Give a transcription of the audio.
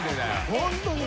ホントに？